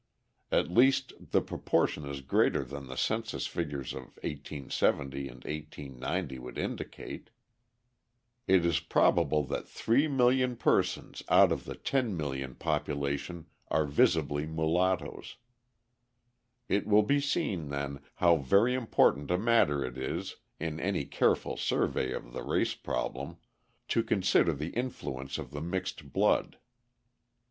At least the proportion is greater than the census figures of 1870 and 1890 would indicate. It is probable that 3,000,000 persons out of the 10,000,000 population are visibly mulattoes. It will be seen, then, how very important a matter it is, in any careful survey of the race problem, to consider the influence of the mixed blood.